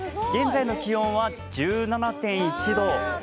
現在の気温は１７．１度。